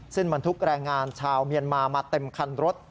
ซึ่งบรรทุกแรงงานชาวเมียนมามาเต็มคันรถ